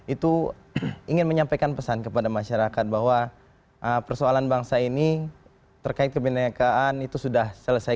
itu ingin menyampaikan pesan kepada masyarakat bahwa persoalan bangsa ini terkait kebenekaan itu sudah selesai